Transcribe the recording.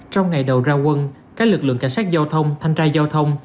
trong ngày đầu ra quân các lực lượng cảnh sát giao thông thanh tra giao thông